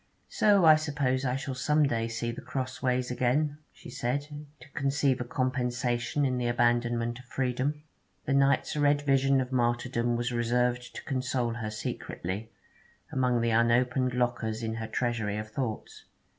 'So I suppose I shall some day see The Crossways again,' she said, to conceive a compensation in the abandonment of freedom. The night's red vision of martyrdom was reserved to console her secretly, among the unopened lockers in her treasury of thoughts.